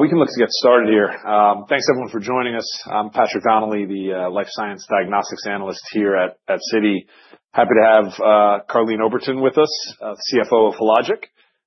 We can look to get started here. Thanks, everyone, for joining us. I'm Patrick Donnelly, the Life Science Diagnostics Analyst here at Citi. Happy to have Karleen Oberton with us, CFO of Hologic.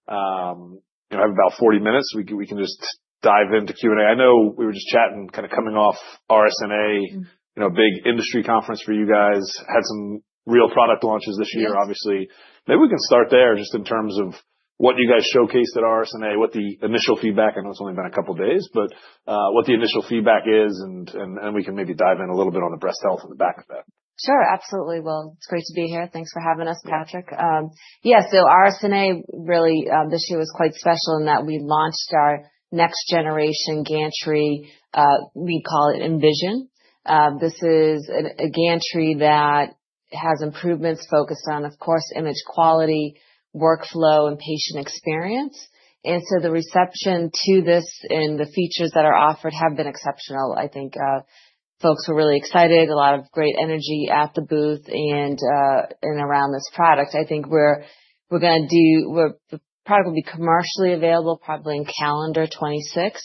We have about 40 minutes. We can just dive into Q&A. I know we were just chatting, kind of coming off RSNA, big industry conference for you guys. Had some real product launches this year, obviously. Maybe we can start there just in terms of what you guys showcased at RSNA, what the initial feedback, I know it's only been a couple of days, but what the initial feedback is, and then we can maybe dive in a little bit on the Breast Health in the back of that. Sure, absolutely. Well, it's great to be here. Thanks for having us, Patrick. Yeah, so RSNA really this year was quite special in that we launched our next-generation gantry. We call it Envision. This is a gantry that has improvements focused on, of course, image quality, workflow, and patient experience. And so the reception to this and the features that are offered have been exceptional. I think folks were really excited, a lot of great energy at the booth and around this product. I think we're going to do, the product will be commercially available probably in calendar 2026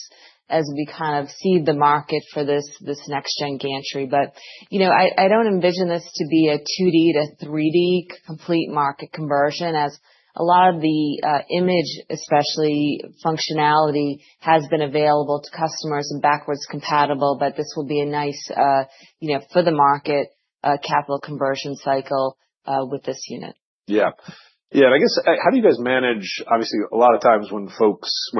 as we kind of seed the market for this next-gen gantry. But I don't envision this to be a 2D to 3D complete market conversion, as a lot of the image, especially functionality, has been available to customers and backwards compatible. But this will be a nice for the market capital conversion cycle with this unit. Yeah. Yeah. And I guess, how do you guys manage, obviously, a lot of times when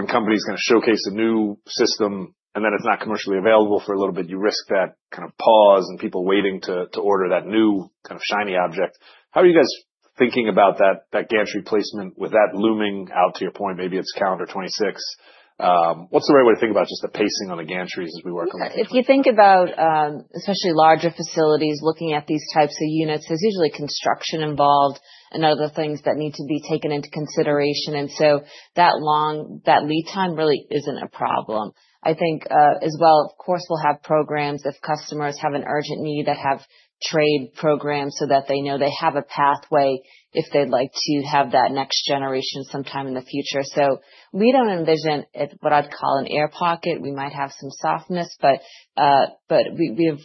companies kind of showcase a new system and then it's not commercially available for a little bit, you risk that kind of pause and people waiting to order that new kind of shiny object. How are you guys thinking about that gantry placement with that looming out to your point? Maybe it's calendar 2026. What's the right way to think about just the pacing on the gantries as we work on this? If you think about especially larger facilities looking at these types of units, there's usually construction involved and other things that need to be taken into consideration, and so that lead time really isn't a problem. I think as well, of course, we'll have programs if customers have an urgent need that have trade programs so that they know they have a pathway if they'd like to have that next generation sometime in the future, so we don't envision what I'd call an air pocket. We might have some softness, but we're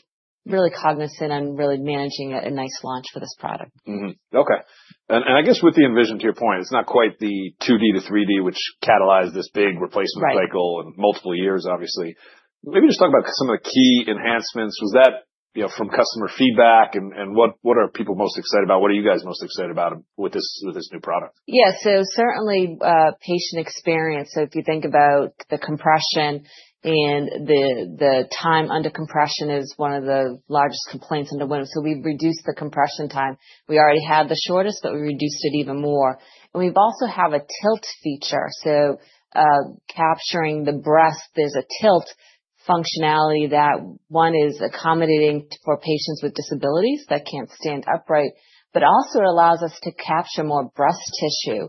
really cognizant and really managing a nice launch for this product. Okay. And I guess with the Envision, to your point, it's not quite the 2D to 3D, which catalyzed this big replacement cycle and multiple years, obviously. Maybe just talk about some of the key enhancements. Was that from customer feedback? And what are people most excited about? What are you guys most excited about with this new product? Yeah. So certainly patient experience. So if you think about the compression and the time under compression is one of the largest complaints in the women. So we've reduced the compression time. We already had the shortest, but we reduced it even more. And we also have a tilt feature. So capturing the Breast, there's a tilt functionality that one is accommodating for patients with disabilities that can't stand upright, but also it allows us to capture more breast tissue.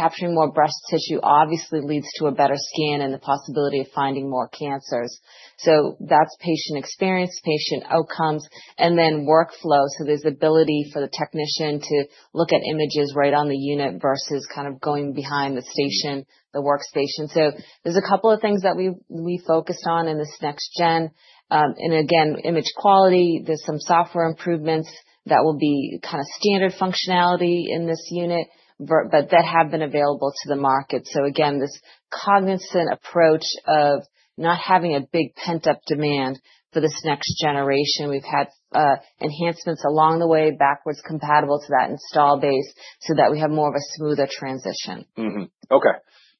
Capturing more breast tissue obviously leads to a better scan and the possibility of finding more cancers. So that's patient experience, patient outcomes, and then workflow. So there's ability for the technician to look at images right on the unit versus kind of going back to the station, the workstation. So there's a couple of things that we focused on in this next gen. And again, image quality. There's some software improvements that will be kind of standard functionality in this unit, but that have been available to the market, so again, this cognizant approach of not having a big pent-up demand for this next generation. We've had enhancements along the way backwards compatible to that installed base so that we have more of a smoother transition. Okay.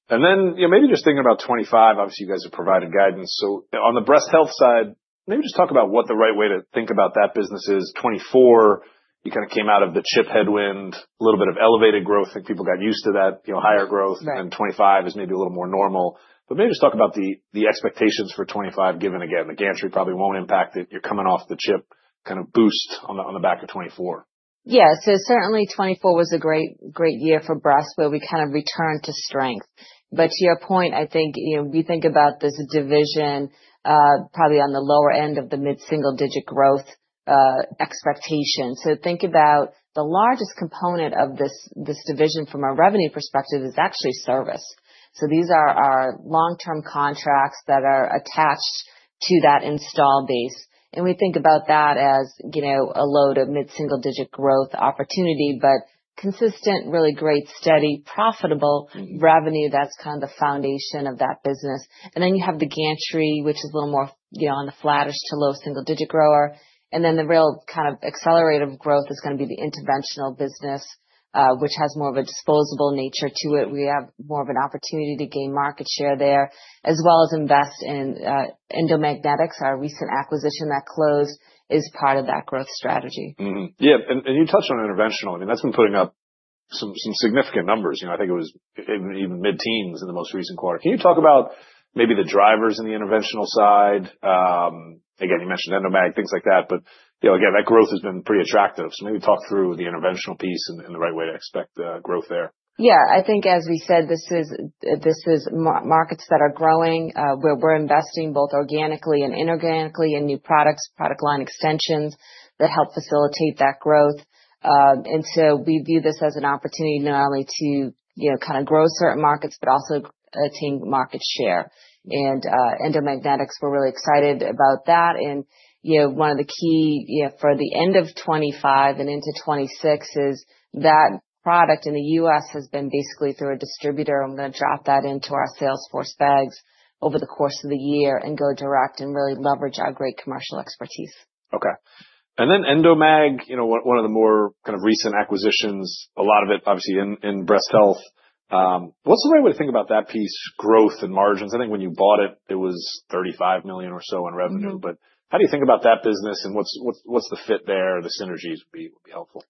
And then maybe just thinking about 2025, obviously, you guys have provided guidance. So on the Breast Health side, maybe just talk about what the right way to think about that business is. 2024, you kind of came out of the chip headwind, a little bit of elevated growth. I think people got used to that, higher growth. And 2025 is maybe a little more normal. But maybe just talk about the expectations for 2025, given again, the gantry probably won't impact it. You're coming off the chip kind of boost on the back of 2024. Yeah. So certainly 2024 was a great year for Breast where we kind of returned to strength. But to your point, I think you think about this division probably on the lower end of the mid-single-digit growth expectation. So think about the largest component of this division from a revenue perspective is actually service. So these are our long-term contracts that are attached to that install base. And we think about that as a load of mid-single-digit growth opportunity, but consistent, really great, steady, profitable revenue. That's kind of the foundation of that business. And then you have the gantry, which is a little more on the flattish to low single-digit grower. And then the real kind of accelerative growth is going to be the interventional business, which has more of a disposable nature to it. We have more of an opportunity to gain market share there, as well as invest in Endomagnetics. Our recent acquisition that closed is part of that growth strategy. Yeah. And you touched on interventional. I mean, that's been putting up some significant numbers. I think it was even mid-teens in the most recent quarter. Can you talk about maybe the drivers in the interventional side? Again, you mentioned Endomag, things like that. But again, that growth has been pretty attractive. So maybe talk through the interventional piece and the right way to expect growth there. Yeah. I think, as we said, this is markets that are growing where we're investing both organically and inorganically in new products, product line extensions that help facilitate that growth. And so we view this as an opportunity not only to kind of grow certain markets, but also attain market share. And Endomagnetics, we're really excited about that. And one of the key for the end of 2025 and into 2026 is that product in the U.S. has been basically through a distributor. I'm going to drop that into our sales force base over the course of the year and go direct and really leverage our great commercial expertise. Okay. And then Endomag, one of the more kind of recent acquisitions, a lot of it obviously in Breast Health. What's the right way to think about that piece, growth and margins? I think when you bought it, it was $35 million or so in revenue. But how do you think about that business and what's the fit there? The synergies would be helpful.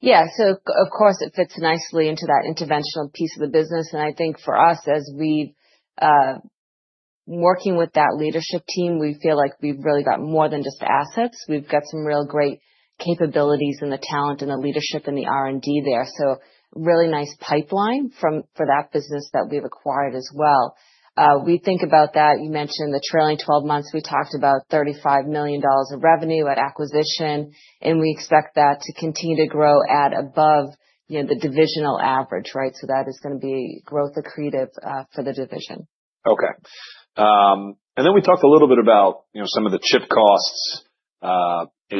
Yeah. So of course, it fits nicely into that interventional piece of the business. And I think for us, as we're working with that leadership team, we feel like we've really got more than just assets. We've got some real great capabilities in the talent and the leadership and the R&D there. So really nice pipeline for that business that we've acquired as well. We think about that. You mentioned the trailing 12 months. We talked about $35 million of revenue at acquisition. And we expect that to continue to grow at above the divisional average, right? So that is going to be growth accretive for the division. Okay. And then we talked a little bit about some of the chip costs.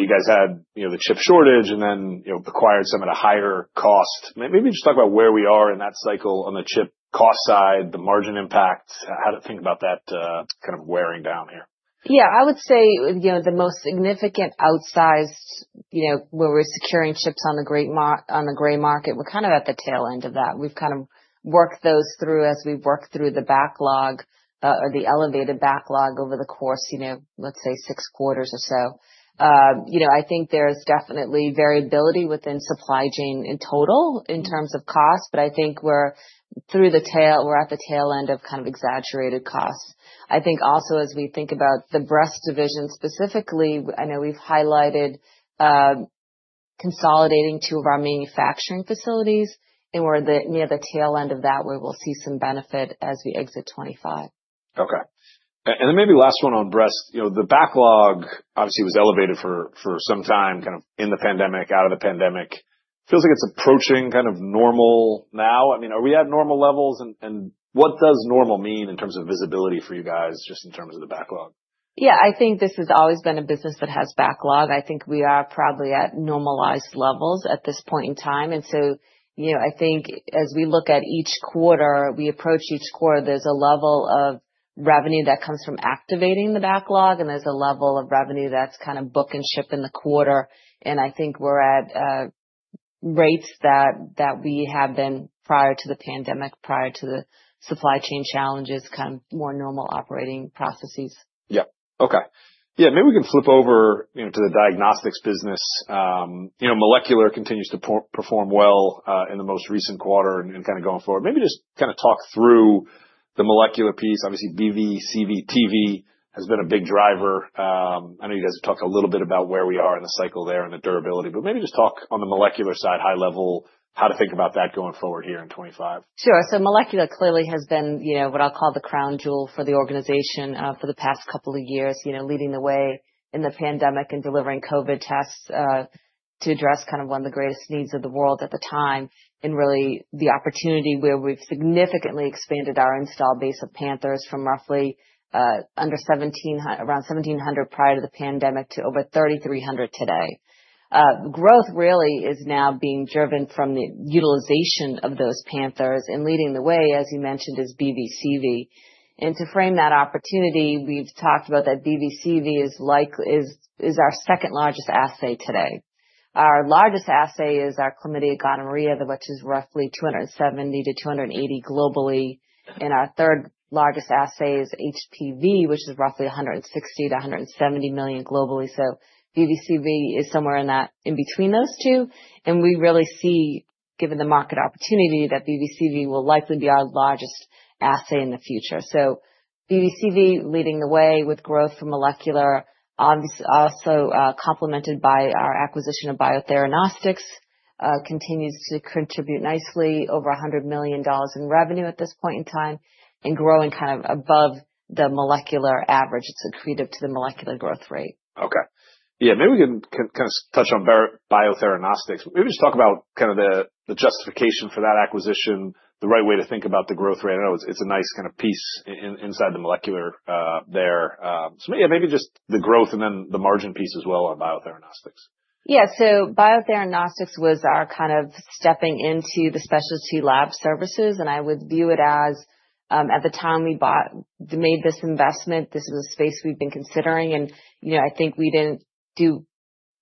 You guys had the chip shortage and then acquired some at a higher cost. Maybe just talk about where we are in that cycle on the chip cost side, the margin impact, how to think about that kind of wearing down here? Yeah. I would say the most significant outsized where we're securing chips on the gray market, we're kind of at the tail end of that. We've kind of worked those through as we've worked through the backlog or the elevated backlog over the course, let's say, six quarters or so. I think there's definitely variability within supply chain in total in terms of cost, but I think we're through the tail. We're at the tail end of kind of exaggerated costs. I think also as we think about the Breast division specifically, I know we've highlighted consolidating two of our manufacturing facilities, and we're near the tail end of that where we'll see some benefit as we exit 2025. Okay. And then maybe last one on Breast. The backlog obviously was elevated for some time kind of in the pandemic, out of the pandemic. Feels like it's approaching kind of normal now. I mean, are we at normal levels? And what does normal mean in terms of visibility for you guys just in terms of the backlog? Yeah. I think this has always been a business that has backlog. I think we are probably at normalized levels at this point in time, and so I think as we look at each quarter, we approach each quarter, there's a level of revenue that comes from activating the backlog, and there's a level of revenue that's kind of book and ship in the quarter, and I think we're at rates that we have been prior to the pandemic, prior to the supply chain challenges, kind of more normal operating processes. Yeah. Okay. Yeah. Maybe we can flip over to the Diagnostics business. Molecular continues to perform well in the most recent quarter and kind of going forward. Maybe just kind of talk through the molecular piece. Obviously, BV, CV/TV has been a big driver. I know you guys have talked a little bit about where we are in the cycle there and the durability, but maybe just talk on the Molecular side, high level, how to think about that going forward here in 2025. Sure. So Molecular clearly has been what I'll call the crown jewel for the organization for the past couple of years, leading the way in the pandemic and delivering COVID tests to address kind of one of the greatest needs of the world at the time and really the opportunity where we've significantly expanded our installed base of Panthers from roughly around 1,700 prior to the pandemic to over 3,300 today. Growth really is now being driven from the utilization of those Panthers and leading the way, as you mentioned, is BV, CV. And to frame that opportunity, we've talked about that BV, CV is our second largest assay today. Our largest assay is our chlamydia, gonorrhea, which is roughly 270-280 globally. And our third largest assay is HPV, which is roughly 160-170 million globally. So BV, CV is somewhere in between those two. We really see, given the market opportunity, that BV, CV will likely be our largest assay in the future. BV, CV leading the way with growth for Molecular, also complemented by our acquisition of Biotheranostics, continues to contribute nicely over $100 million in revenue at this point in time and growing kind of above the Molecular average. It's accretive to the Molecular growth rate. Okay. Yeah. Maybe we can kind of touch on Biotheranostics. Maybe just talk about kind of the justification for that acquisition, the right way to think about the growth rate. I know it's a nice kind of piece inside the Molecular there. So yeah, maybe just the growth and then the margin piece as well on Biotheranostics. Yeah. So Biotheranostics was our kind of stepping into the specialty lab services. And I would view it as at the time we made this investment, this was a space we've been considering. And I think we didn't do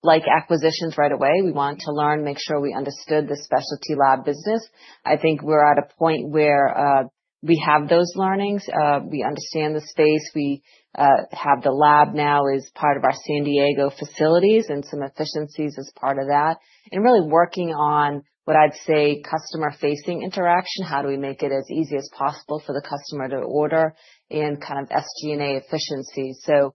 like acquisitions right away. We wanted to learn, make sure we understood the specialty lab business. I think we're at a point where we have those learnings. We understand the space. We have the lab now as part of our San Diego facilities and some efficiencies as part of that. And really working on what I'd say customer-facing interaction, how do we make it as easy as possible for the customer to order and kind of SG&A efficiency. So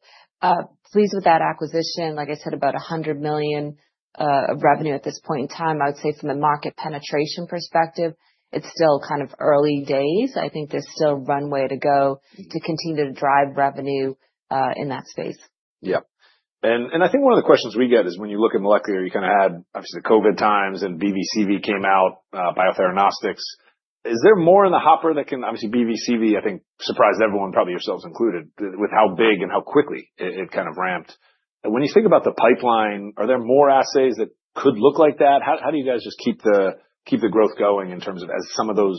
pleased with that acquisition. Like I said, about $100 million of revenue at this point in time. I would say from a market penetration perspective, it's still kind of early days. I think there's still a runway to go to continue to drive revenue in that space. Yeah. And I think one of the questions we get is when you look at Molecular, you kind of had obviously the COVID times and BV, CV came out, Biotheranostics. Is there more in the hopper that can obviously BV, CV, I think surprised everyone, probably yourselves included with how big and how quickly it kind of ramped. When you think about the pipeline, are there more assays that could look like that? How do you guys just keep the growth going in terms of as some of those,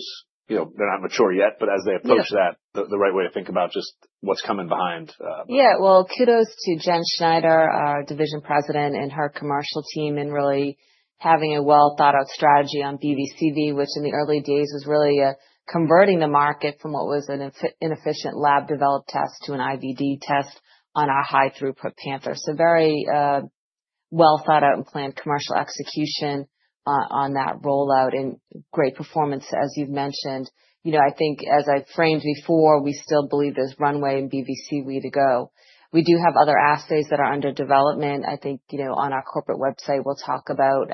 they're not mature yet, but as they approach that, the right way to think about just what's coming behind? Yeah. Kudos to Jen Schneider, our Division President and her commercial team in really having a well-thought-out strategy on BV, CV, which in the early days was really converting the market from what was an inefficient lab-developed test to an IVD test on our high-throughput Panther. Very well-thought-out and planned commercial execution on that rollout and great performance, as you've mentioned. I think as I framed before, we still believe there's runway in BV, CV to go. We do have other assays that are under development. I think on our corporate website, we'll talk about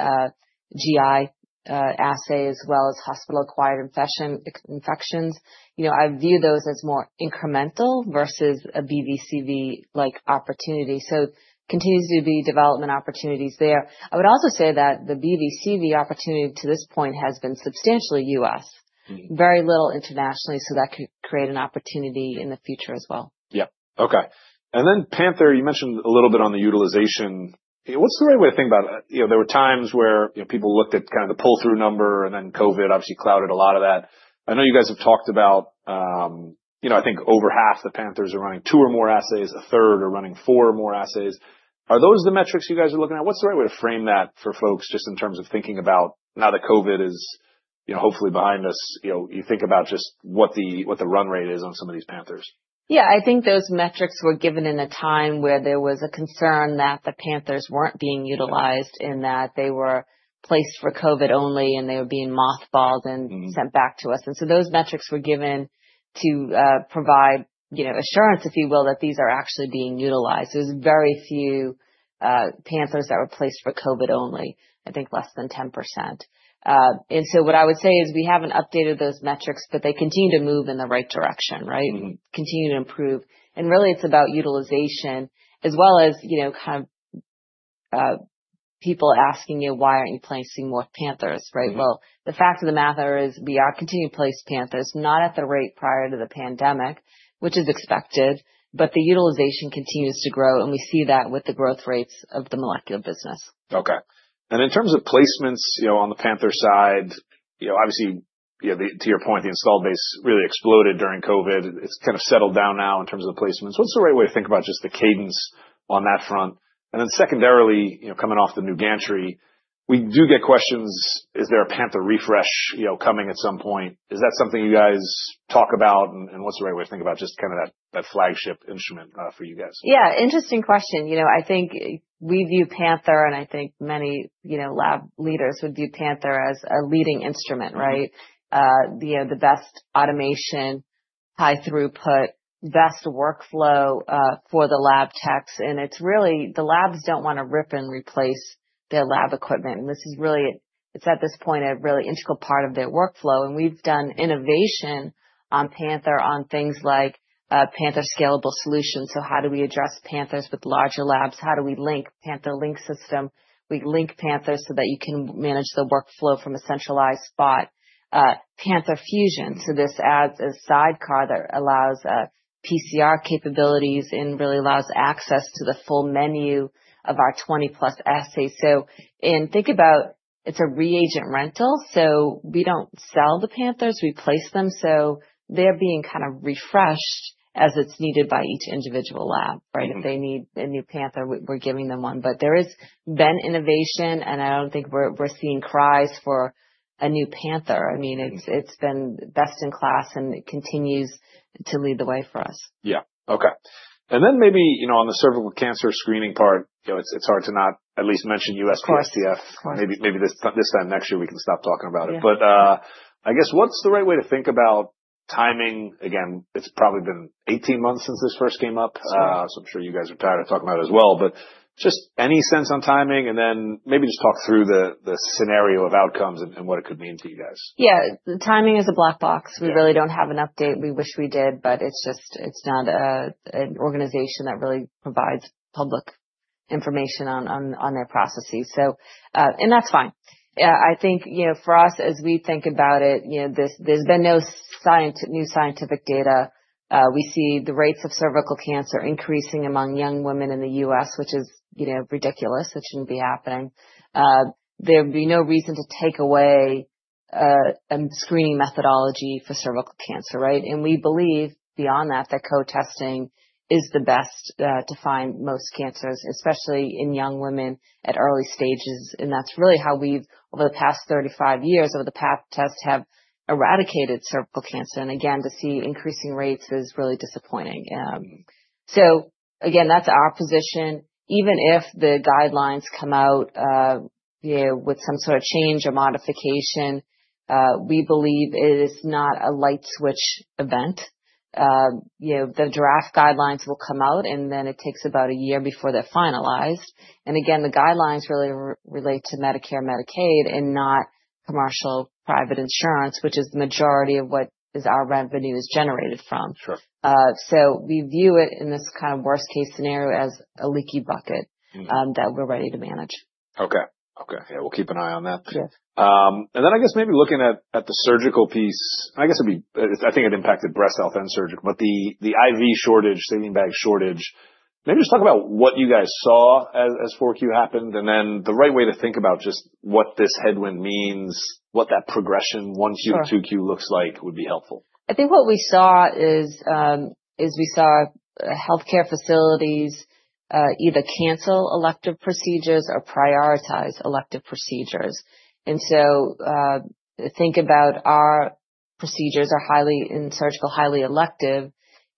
GI assay as well as hospital-acquired infections. I view those as more incremental versus a BV, CV-like opportunity. Continues to be development opportunities there. I would also say that the BV, CV opportunity to this point has been substantially U.S., very little internationally. So that could create an opportunity in the future as well. Yeah. Okay. And then Panther, you mentioned a little bit on the utilization. What's the right way to think about it? There were times where people looked at kind of the pull-through number and then COVID obviously clouded a lot of that. I know you guys have talked about, I think over half the Panthers are running two or more assays, a third are running four or more assays. Are those the metrics you guys are looking at? What's the right way to frame that for folks just in terms of thinking about now that COVID is hopefully behind us? You think about just what the run rate is on some of these Panthers. Yeah. I think those metrics were given in a time where there was a concern that the Panthers weren't being utilized in that they were placed for COVID only and they were being mothballed and sent back to us. And so those metrics were given to provide assurance, if you will, that these are actually being utilized. So it was very few Panthers that were placed for COVID only, I think less than 10%. And so what I would say is we haven't updated those metrics, but they continue to move in the right direction, right? Continue to improve. And really it's about utilization as well as kind of people asking you, why aren't you placing more Panthers, right? Well, the fact of the matter is we are continuing to place Panthers, not at the rate prior to the pandemic, which is expected, but the utilization continues to grow. We see that with the growth rates of the Molecular business. Okay. And in terms of placements on the Panther side, obviously, to your point, the install base really exploded during COVID. It's kind of settled down now in terms of the placements. What's the right way to think about just the cadence on that front? And then secondarily, coming off the new gantry, we do get questions, is there a Panther refresh coming at some point? Is that something you guys talk about? And what's the right way to think about just kind of that flagship instrument for you guys? Yeah. Interesting question. I think we view Panther, and I think many lab leaders would view Panther as a leading instrument, right? The best automation, high throughput, best workflow for the lab techs. And it's really the labs don't want to rip and replace their lab equipment. And this is really, it's at this point a really integral part of their workflow. And we've done innovation on Panther on things like Panther Scalable Solutions. So how do we address Panthers with larger labs? How do we link Panther Link System? We link Panthers so that you can manage the workflow from a centralized spot. Panther Fusion. So this adds a sidecar that allows PCR capabilities and really allows access to the full menu of our 20-plus assays. So think about it's a reagent rental. So we don't sell the Panthers. We place them. So they're being kind of refreshed as it's needed by each individual lab, right? If they need a new Panther, we're giving them one. But there has been innovation, and I don't think we're seeing cries for a new Panther. I mean, it's been best in class and continues to lead the way for us. Yeah. Okay. And then maybe on the cervical cancer screening part, it's hard to not at least mention USPSTF. Maybe this time next year, we can stop talking about it. But I guess what's the right way to think about timing? Again, it's probably been 18 months since this first came up. So I'm sure you guys are tired of talking about it as well. But just any sense on timing? And then maybe just talk through the scenario of outcomes and what it could mean to you guys. Yeah. Timing is a black box. We really don't have an update. We wish we did, but it's just it's not an organization that really provides public information on their processes, and that's fine. I think for us, as we think about it, there's been no new scientific data. We see the rates of cervical cancer increasing among young women in the U.S., which is ridiculous. It shouldn't be happening. There would be no reason to take away a screening methodology for cervical cancer, right, and we believe beyond that that co-testing is the best to find most cancers, especially in young women at early stages, and that's really how we've, over the past 35 years, over the PAP test, have eradicated cervical cancer, and again, to see increasing rates is really disappointing, so again, that's our position. Even if the guidelines come out with some sort of change or modification, we believe it is not a light switch event. The draft guidelines will come out, and then it takes about a year before they're finalized. And again, the guidelines really relate to Medicare, Medicaid, and not Commercial Private Insurance, which is the majority of what our revenue is generated from. So we view it in this kind of worst-case scenario as a leaky bucket that we're ready to manage. Okay. Okay. Yeah. We'll keep an eye on that. Then I guess maybe looking at the Surgical piece, I guess it'd be, I think it impacted Breast Health and Surgical, but the IV shortage, saline bag shortage. Maybe just talk about what you guys saw as 4Q happened. Then the right way to think about just what this headwind means, what that progression 1Q, 2Q looks like would be helpful. I think what we saw is we saw healthcare facilities either cancel elective procedures or prioritize elective procedures. And so think about our procedures. They are highly surgical, highly elective,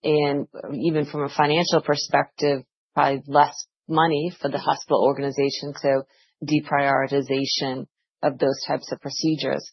and even from a financial perspective, probably less money for the hospital organization. So deprioritization of those types of procedures.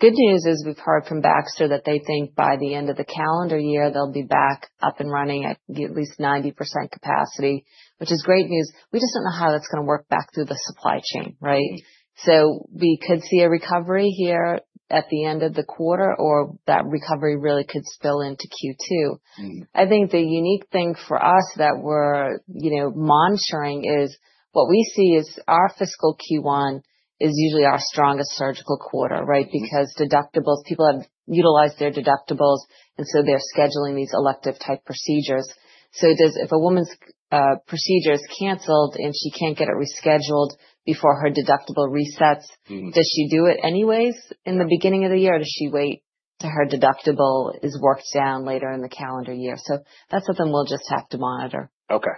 Good news is we've heard from Baxter that they think by the end of the calendar year, they'll be back up and running at least 90% capacity, which is great news. We just don't know how that's going to work back through the supply chain, right? So we could see a recovery here at the end of the quarter, or that recovery really could spill into Q2. I think the unique thing for us that we're monitoring is what we see is our fiscal Q1 is usually our strongest Surgical quarter, right? Because deductibles, people have utilized their deductibles, and so they're scheduling these elective-type procedures. So if a woman's procedure is canceled and she can't get it rescheduled before her deductible resets, does she do it anyways in the beginning of the year? Or does she wait till her deductible is worked down later in the calendar year? So that's something we'll just have to monitor. Okay.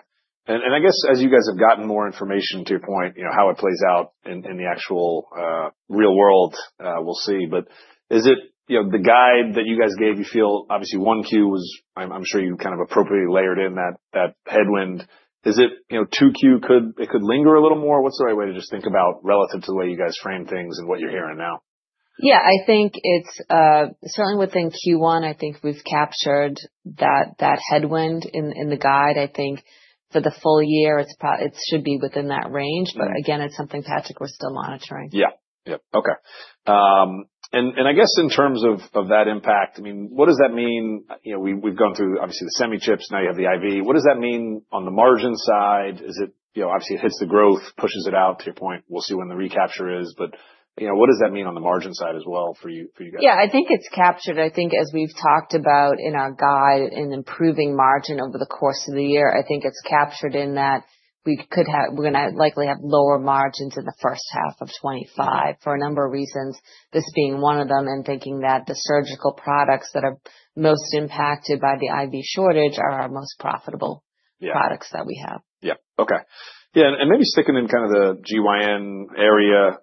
And I guess as you guys have gotten more information to your point, how it plays out in the actual real world, we'll see. But is it the guide that you guys gave? You feel obviously 1Q was. I'm sure you kind of appropriately layered in that headwind. Is it 2Q? It could linger a little more? What's the right way to just think about relative to the way you guys frame things and what you're hearing now? Yeah. I think it's certainly within Q1, I think we've captured that headwind in the guide. I think for the full year, it should be within that range. But again, it's something, Patrick, we're still monitoring. Yeah. Yeah. Okay. And I guess in terms of that impact, I mean, what does that mean? We've gone through obviously the semi-chips. Now you have the IV. What does that mean on the margin side? Obviously, it hits the growth, pushes it out to your point. We'll see when the recapture is. But what does that mean on the margin side as well for you guys? Yeah. I think it's captured. I think as we've talked about in our guide and improving margin over the course of the year, I think it's captured in that we're going to likely have lower margins in the first half of 2025 for a number of reasons, this being one of them and thinking that the Surgical products that are most impacted by the IV shortage are our most profitable products that we have. And maybe sticking in kind of the GYN area,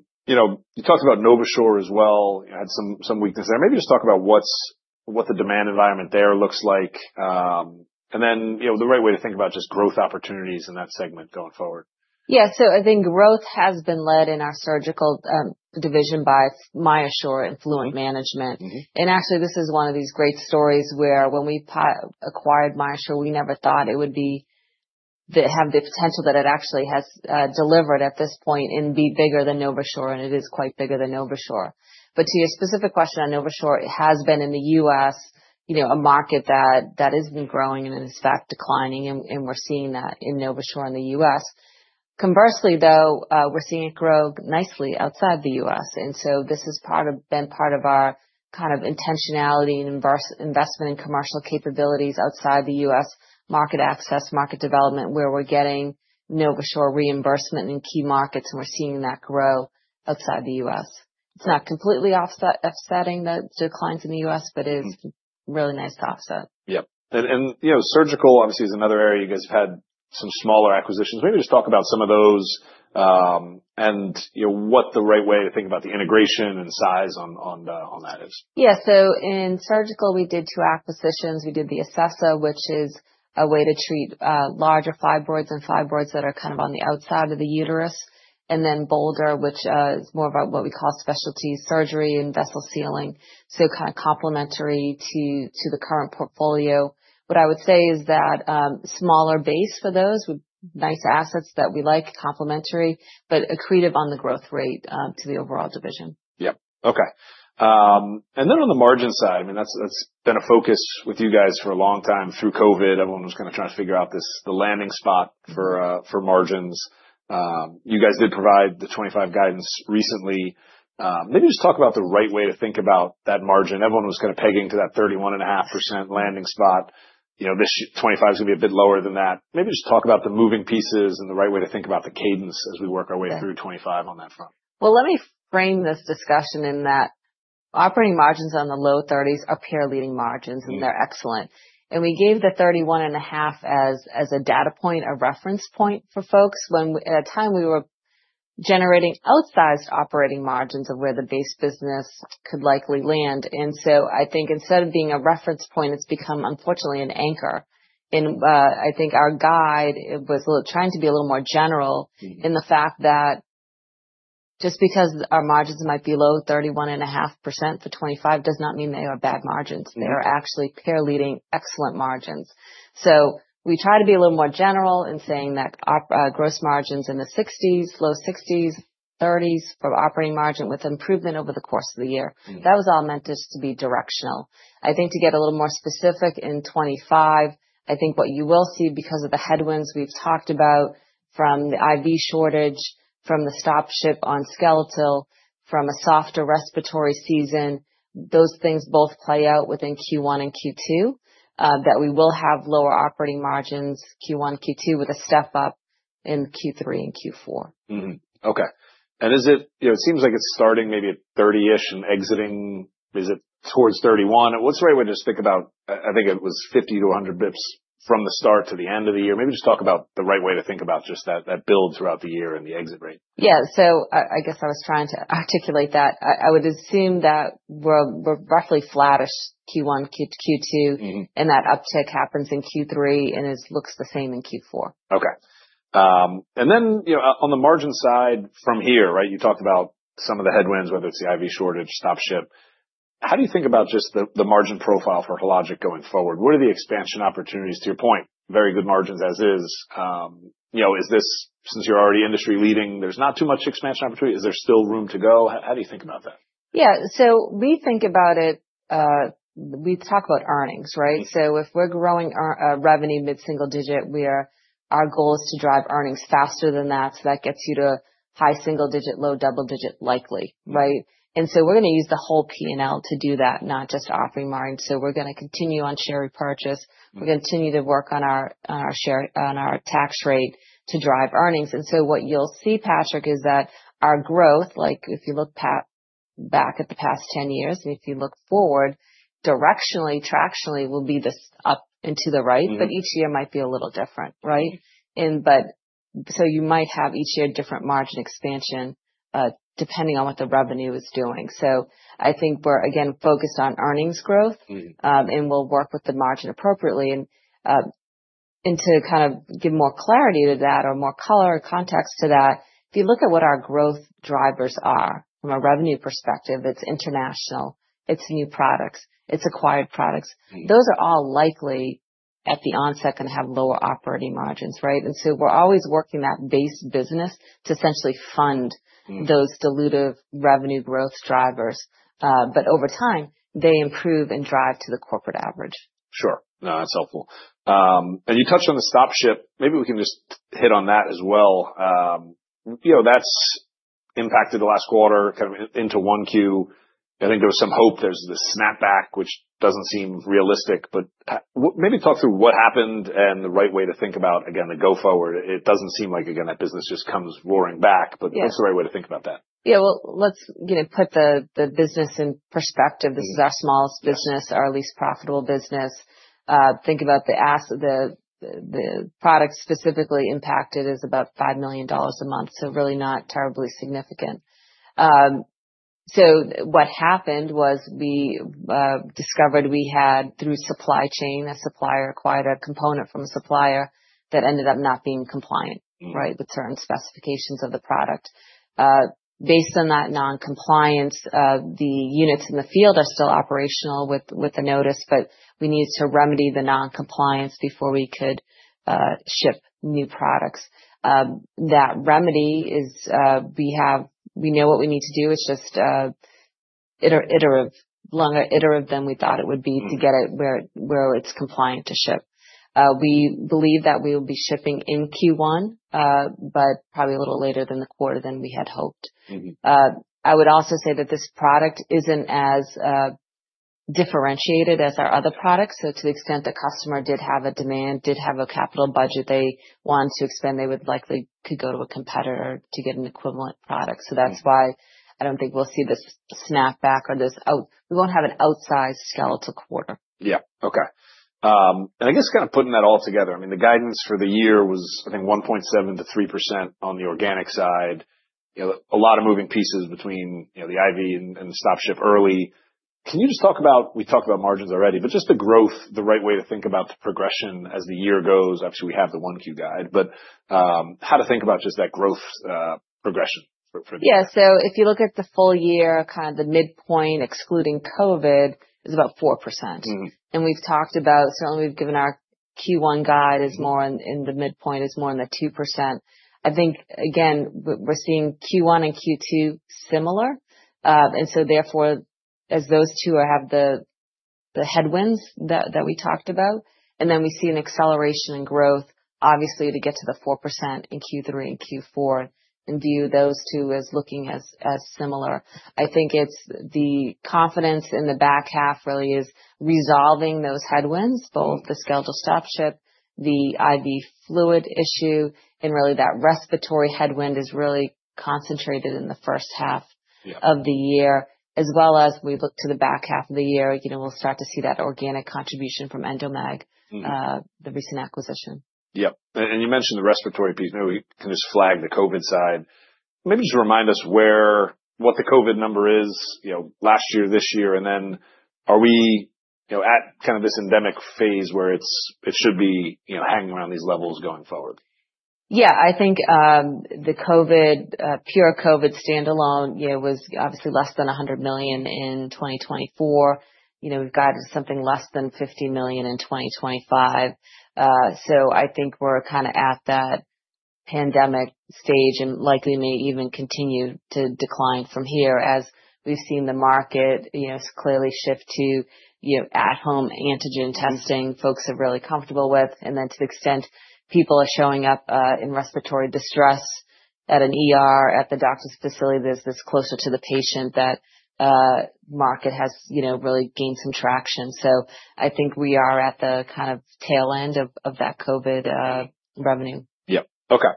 you talked about NovaSure as well. You had some weakness there. Maybe just talk about what the demand environment there looks like? And then the right way to think about just growth opportunities in that segment going forward? Yeah. So I think growth has been led in our Surgical division by MyoSure and Fluent Management, and actually, this is one of these great stories where when we acquired MyoSure, we never thought it would have the potential that it actually has delivered at this point and be bigger than NovaSure, and it is quite bigger than NovaSure. But to your specific question on NovaSure, it has been, in the U.S., a market that has been growing and is back declining, and we're seeing that in NovaSure in the U.S. Conversely, though, we're seeing it grow nicely outside the U.S., and so this has been part of our kind of intentionality and investment in commercial capabilities outside the U.S. market access, market development, where we're getting NovaSure reimbursement in key markets, and we're seeing that grow outside the U.S. It's not completely offsetting the declines in the U.S., but it's really nice to offset. Yeah. And Surgical obviously is another area you guys have had some smaller acquisitions. Maybe just talk about some of those and what the right way to think about the integration and size on that is? Yeah. So in Surgical, we did two acquisitions. We did the Acessa, which is a way to treat larger fibroids and fibroids that are kind of on the outside of the uterus, and then Boulder, which is more of what we call specialty surgery and vessel sealing. So kind of complementary to the current portfolio. What I would say is that smaller base for those would be nice assets that we like, complementary, but accretive on the growth rate to the overall division. Yeah. Okay. And then on the margin side, I mean, that's been a focus with you guys for a long time through COVID. Everyone was kind of trying to figure out the landing spot for margins. You guys did provide the 25 guidance recently. Maybe just talk about the right way to think about that margin. Everyone was kind of pegging to that 31.5% landing spot. This 25 is going to be a bit lower than that. Maybe just talk about the moving pieces and the right way to think about the cadence as we work our way through 25 on that front. Let me frame this discussion in that operating margins in the low 30%s are pure leading margins, and they're excellent. We gave the 31.5% as a data point, a reference point for folks. At a time, we were generating outsized operating margins of where the base business could likely land. I think instead of being a reference point, it's become, unfortunately, an anchor. I think our guide was trying to be a little more general in the fact that just because our margins might be low 31.5% for 2025 does not mean they are bad margins. They are actually pure leading, excellent margins. We try to be a little more general in saying that gross margins in the 60%s, low 60%s, 30%s for operating margin with improvement over the course of the year. That was all meant to be directional. I think to get a little more specific in 2025, I think what you will see because of the headwinds we've talked about from the IV shortage, from the stop-ship on Skeletal, from a softer respiratory season, those things both play out within Q1 and Q2 that we will have lower operating margins Q1, Q2 with a step up in Q3 and Q4. Okay. And it seems like it's starting maybe at 30%-ish and exiting. Is it towards 31%? What's the right way to just think about, I think it was 50-100 basis points from the start to the end of the year? Maybe just talk about the right way to think about just that build throughout the year and the exit rate. Yeah. So I guess I was trying to articulate that. I would assume that we're roughly flattish Q1, Q2, and that uptick happens in Q3 and it looks the same in Q4. Okay. And then on the margin side from here, right, you talked about some of the headwinds, whether it's the IV shortage, stop-ship. How do you think about just the margin profile for Hologic going forward? What are the expansion opportunities to your point? Very good margins as is. Since you're already industry leading, there's not too much expansion opportunity. Is there still room to go? How do you think about that? Yeah. So we think about it, we talk about earnings, right? So if we're growing revenue mid-single digit, our goal is to drive earnings faster than that. So that gets you to high single digit, low double digit likely, right? And so we're going to use the whole P&L to do that, not just operating margin. So we're going to continue on share repurchase. We're going to continue to work on our tax rate to drive earnings. And so what you'll see, Patrick, is that our growth, like if you look back at the past 10 years, and if you look forward, directionally, tractionally will be this up and to the right, but each year might be a little different, right? But so you might have each year different margin expansion depending on what the revenue is doing. So I think we're, again, focused on earnings growth, and we'll work with the margin appropriately. And to kind of give more clarity to that or more color or context to that, if you look at what our growth drivers are from a revenue perspective, it's international, it's new products, it's acquired products. Those are all likely at the onset going to have lower operating margins, right? And so we're always working that base business to essentially fund those dilutive revenue growth drivers. But over time, they improve and drive to the corporate average. Sure. No, that's helpful. And you touched on the stop-ship. Maybe we can just hit on that as well. That's impacted the last quarter kind of into 1Q. I think there was some hope. There's the snapback, which doesn't seem realistic, but maybe talk through what happened and the right way to think about, again, the go forward. It doesn't seem like, again, that business just comes roaring back, but what's the right way to think about that? Yeah. Well, let's put the business in perspective. This is our smallest business, our least profitable business. Think about the product specifically impacted is about $5 million a month, so really not terribly significant. So what happened was we discovered we had, through supply chain, a supplier acquired a component from a supplier that ended up not being compliant, right, with certain specifications of the product. Based on that non-compliance, the units in the field are still operational with the notice, but we needed to remedy the non-compliance before we could ship new products. That remedy is we know what we need to do. It's just iterative, longer iterative than we thought it would be to get it where it's compliant to ship. We believe that we will be shipping in Q1, but probably a little later than the quarter than we had hoped. I would also say that this product isn't as differentiated as our other products. So to the extent the customer did have a demand, did have a capital budget, they wanted to expand, they would likely could go to a competitor to get an equivalent product. So that's why I don't think we'll see this snapback or this we won't have an outsized Skeletal quarter. Yeah. Okay. And I guess kind of putting that all together, I mean, the guidance for the year was, I think, 1.7%-3% on the organic side. A lot of moving pieces between the IV and the stop-ship early. Can you just talk about? We talked about margins already, but just the growth, the right way to think about the progression as the year goes. Obviously, we have the 1Q guide, but how to think about just that growth progression for the year. Yeah. So if you look at the full year, kind of the midpoint excluding COVID is about 4%. And we've talked about; certainly, we've given our Q1 guide is more in the midpoint is more in the 2%. I think, again, we're seeing Q1 and Q2 similar. And so therefore, as those two have the headwinds that we talked about, and then we see an acceleration in growth, obviously, to get to the 4% in Q3 and Q4 and view those two as looking as similar. I think it's the confidence in the back half really is resolving those headwinds, both the Skeletal stop-ship, the IV fluid issue, and really that respiratory headwind is really concentrated in the first half of the year, as well as we look to the back half of the year, we'll start to see that organic contribution from Endomag, the recent acquisition. Yep. And you mentioned the respiratory piece. Maybe we can just flag the COVID side. Maybe just remind us what the COVID number is last year, this year, and then are we at kind of this endemic phase where it should be hanging around these levels going forward? Yeah. I think the COVID, pure COVID standalone, was obviously less than $100 million in 2024. We've got something less than $50 million in 2025. So I think we're kind of at that pandemic stage and likely may even continue to decline from here as we've seen the market clearly shift to at-home antigen testing. Folks are really comfortable with. And then to the extent people are showing up in respiratory distress at an ER the doctor's facility, there's this closer to the patient that market has really gained some traction. So I think we are at the kind of tail end of that COVID revenue. Yep. Okay.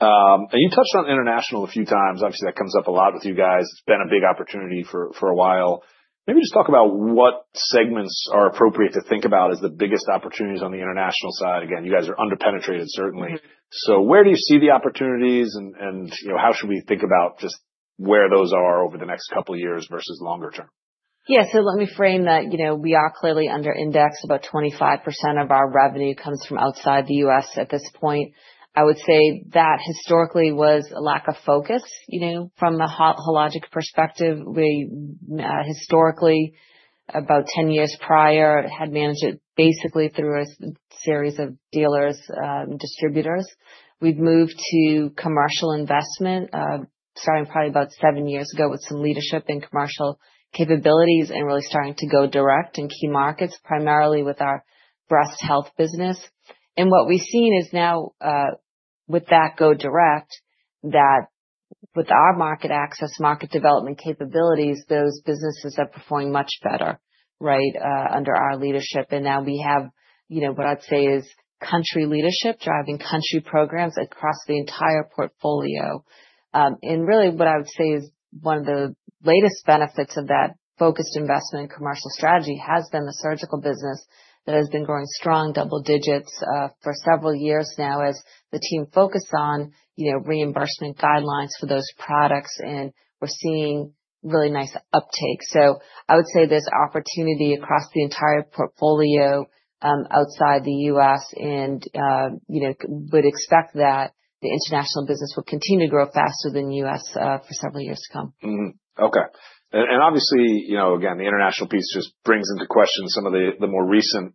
And you touched on international a few times. Obviously, that comes up a lot with you guys. It's been a big opportunity for a while. Maybe just talk about what segments are appropriate to think about as the biggest opportunities on the international side. Again, you guys are underpenetrated, certainly. So where do you see the opportunities and how should we think about just where those are over the next couple of years versus longer-term? Yeah. So let me frame that. We are clearly underindexed. About 25% of our revenue comes from outside the U.S. at this point. I would say that historically was a lack of focus from a Hologic perspective. We historically, about 10 years prior, had managed it basically through a series of dealers, distributors. We've moved to commercial investment starting probably about seven years ago with some leadership in commercial capabilities and really starting to go direct in key markets, primarily with our Breast Health business. And what we've seen is now with that go direct, that with our market access, market development capabilities, those businesses are performing much better, right, under our leadership. And now we have what I'd say is country leadership driving country programs across the entire portfolio. And really what I would say is one of the latest benefits of that focused investment in commercial strategy has been the Surgical business that has been growing strong, double digits for several years now as the team focused on reimbursement guidelines for those products, and we're seeing really nice uptake. So I would say there's opportunity across the entire portfolio outside the U.S. and would expect that the international business will continue to grow faster than U.S. for several years to come. Okay, and obviously, again, the international piece just brings into question some of the more recent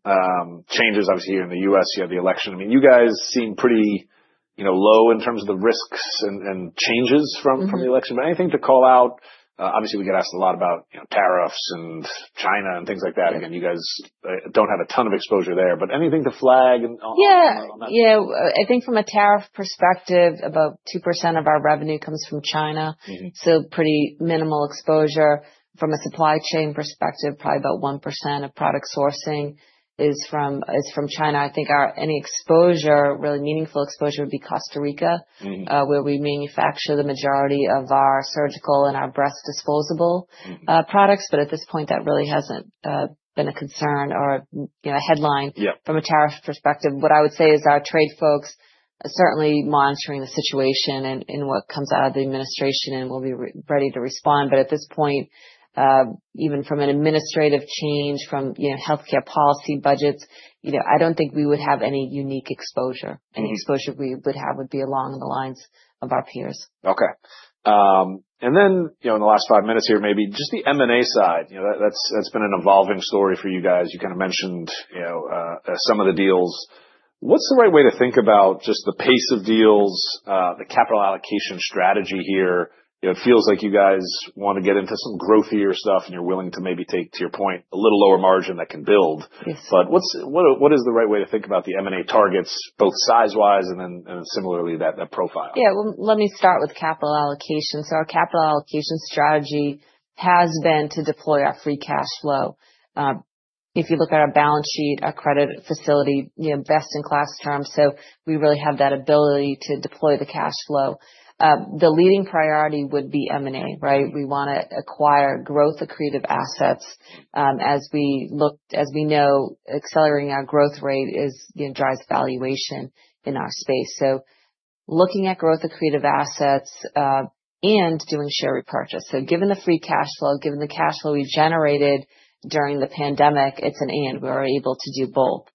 changes. Obviously, here in the U.S., you have the election. I mean, you guys seem pretty low in terms of the risks and changes from the election, but anything to call out? Obviously, we get asked a lot about tariffs and China and things like that. Again, you guys don't have a ton of exposure there, but anything to flag on that? Yeah. I think from a tariff perspective, about 2% of our revenue comes from China. So pretty minimal exposure. From a supply chain perspective, probably about 1% of product sourcing is from China. I think any exposure, really meaningful exposure, would be Costa Rica, where we manufacture the majority of our Surgical and our Breast Disposable Products. But at this point, that really hasn't been a concern or a headline from a tariff perspective. What I would say is our trade folks are certainly monitoring the situation and what comes out of the administration and will be ready to respond. But at this point, even from an administrative change from healthcare policy budgets, I don't think we would have any unique exposure. Any exposure we would have would be along the lines of our peers. Okay. And then in the last five minutes here, maybe just the M&A side. That's been an evolving story for you guys. You kind of mentioned some of the deals. What's the right way to think about just the pace of deals, the capital allocation strategy here? It feels like you guys want to get into some growthier stuff and you're willing to maybe take, to your point, a little lower margin that can build. But what is the right way to think about the M&A targets, both size-wise and then similarly that profile? Yeah. Well, let me start with capital allocation. So our capital allocation strategy has been to deploy our free cash flow. If you look at our balance sheet, our credit facility, best-in-class term. So we really have that ability to deploy the cash flow. The leading priority would be M&A, right? We want to acquire growth, accretive assets. As we know, accelerating our growth rate drives valuation in our space. So looking at growth, accretive assets, and doing share repurchase. So given the free cash flow, given the cash flow we generated during the pandemic, it's an and we're able to do both.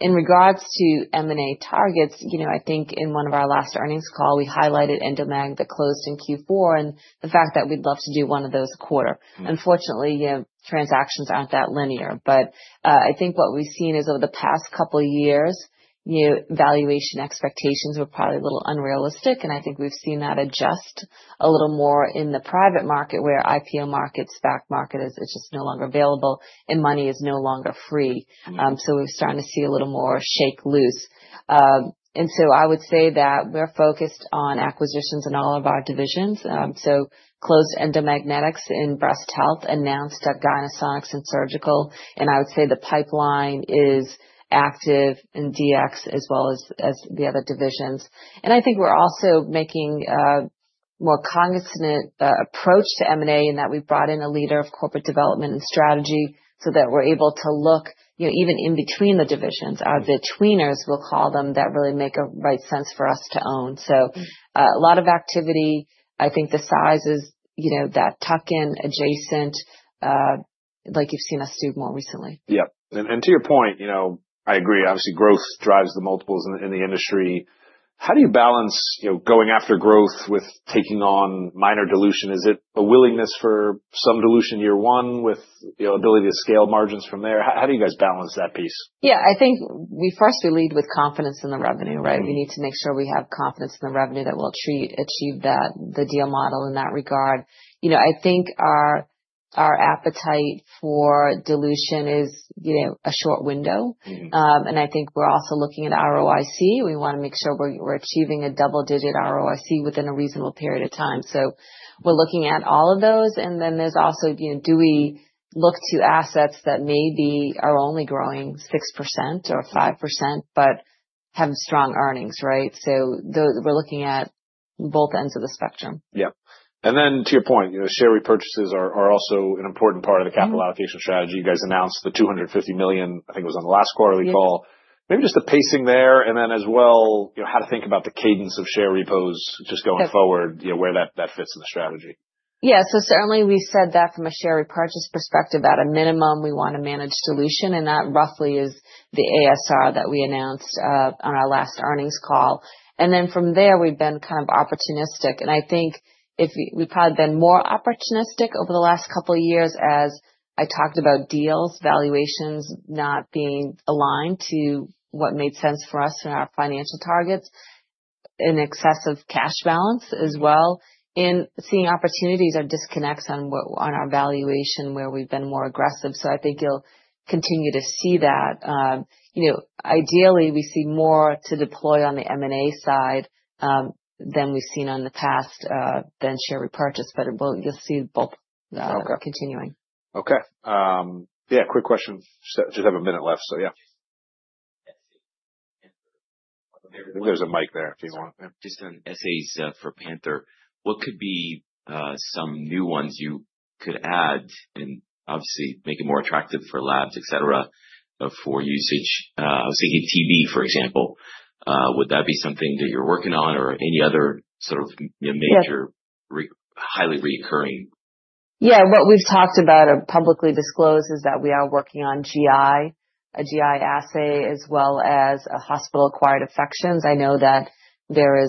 In regards to M&A targets, I think in one of our last earnings call, we highlighted Endomag that closed in Q4 and the fact that we'd love to do one of those a quarter. Unfortunately, transactions aren't that linear. But I think what we've seen is over the past couple of years, valuation expectations were probably a little unrealistic, and I think we've seen that adjust a little more in the private market where IPO markets, SPAC market is just no longer available and money is no longer free, so we're starting to see a little more shake loose, and so I would say that we're focused on acquisitions in all of our divisions, so closed Endomagnetics in Breast Health, announced at Gynesonics and Surgical, and I would say the pipeline is active in DX as well as the other divisions. And I think we're also making a more cognizant approach to M&A in that we brought in a leader of Corporate Development and Strategy so that we're able to look even in between the divisions, our betweeners, we'll call them, that really make right sense for us to own. So a lot of activity. I think the size is that tuck-in, adjacent, like you've seen us do more recently. Yep. And to your point, I agree. Obviously, growth drives the multiples in the industry. How do you balance going after growth with taking on minor dilution? Is it a willingness for some dilution year one with ability to scale margins from there? How do you guys balance that piece? Yeah. I think first we lead with confidence in the revenue, right? We need to make sure we have confidence in the revenue that we'll achieve the deal model in that regard. I think our appetite for dilution is a short window, and I think we're also looking at ROIC. We want to make sure we're achieving a double-digit ROIC within a reasonable period of time, so we're looking at all of those, and then there's also, do we look to assets that maybe are only growing 6% or 5% but have strong earnings, right, so we're looking at both ends of the spectrum. Yep. And then to your point, share repurchases are also an important part of the capital allocation strategy. You guys announced the $250 million, I think it was on the last quarterly call. Maybe just the pacing there and then as well how to think about the cadence of share repos just going forward, where that fits in the strategy? Yeah. So certainly we said that from a share repurchase perspective, at a minimum, we want to manage dilution. And that roughly is the ASR that we announced on our last earnings call. And then from there, we've been kind of opportunistic. And I think we've probably been more opportunistic over the last couple of years as I talked about deals, valuations not being aligned to what made sense for us and our financial targets, an excessive cash balance as well. And seeing opportunities or disconnects in our valuation where we've been more aggressive. So I think you'll continue to see that. Ideally, we see more to deploy on the M&A side than we've seen in the past on share repurchase, but you'll see both continuing. Okay. Yeah. Quick question. Just have a minute left. So yeah. There's a mic there if you want. Just an assay for Panther. What could be some new ones you could add and obviously make it more attractive for labs, etc., for usage? I was thinking TB, for example. Would that be something that you're working on or any other sort of major, highly recurring? Yeah. What we've talked about or publicly disclosed is that we are working on GI, a GI assay, as well as hospital-acquired infections. I know that there are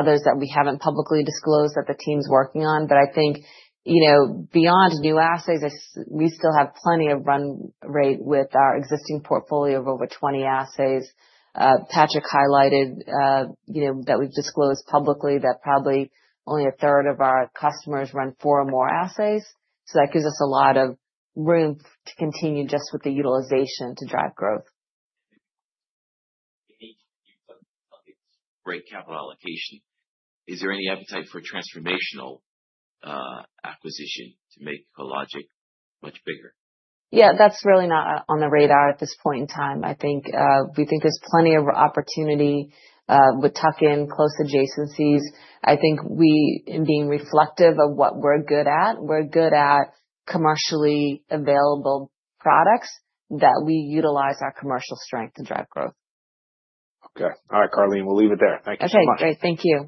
others that we haven't publicly disclosed that the team's working on. But I think beyond new assays, we still have plenty of run rate with our existing portfolio of over 20 assays. Patrick highlighted that we've disclosed publicly that probably only a third of our customers run four or more assays. So that gives us a lot of room to continue just with the utilization to drive growth. You've talked about capital allocation. Is there any appetite for transformational acquisition to make Hologic much bigger? Yeah. That's really not on the radar at this point in time. I think we think there's plenty of opportunity with tuck-in, close adjacencies. I think we, in being reflective of what we're good at, we're good at commercially available products that we utilize our commercial strength to drive growth. Okay. All right, Karleen, we'll leave it there. Thank you so much. Okay. Great. Thank you.